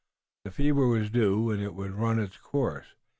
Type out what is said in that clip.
The fever was due and it would run its course.